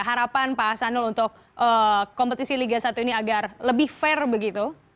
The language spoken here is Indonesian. harapan pak hasanul untuk kompetisi liga satu ini agar lebih fair begitu